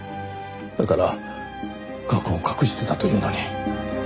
だから過去を隠していたというのに。